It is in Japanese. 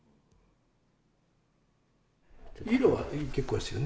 色は大変結構ですよね。